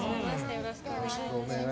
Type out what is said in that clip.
よろしくお願いします。